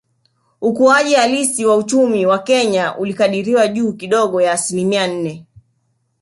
Ukuaji halisi wa uchumi wa Kenya ulikadiriwa juu kidogo ya asilimia nne